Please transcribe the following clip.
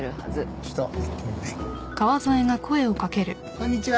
こんにちは。